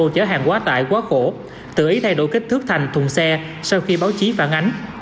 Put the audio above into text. chở hàng quá tải quá khổ tự ý thay đổi kích thước thành thùng xe sau khi báo chí phản ánh